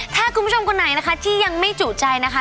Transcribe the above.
ถ้าคุณผู้ชมคนไหนนะคะที่ยังไม่จุใจนะคะ